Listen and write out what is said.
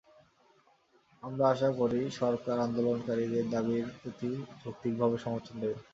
আমরা আশা করি, সরকার আন্দোলনকারীদের দাবির প্রতি যৌক্তিকভাবে সমর্থন দেবে।